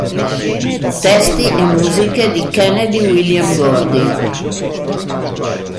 Testi e musiche di Kennedy William Gordy.